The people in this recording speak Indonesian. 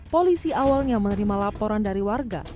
polisi awalnya menerima laporan dari warga